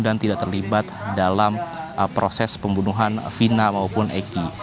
dan tidak terlibat dalam proses pembunuhan fina maupun eki